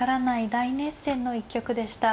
大熱戦の一局でした。